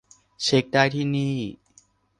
เช็กได้ที่นี่